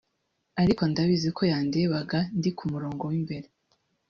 ariko ndabizi ko yandebaga ndi ku murongo w’imbere